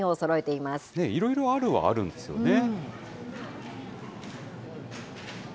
いろいろあるはあるんですよね。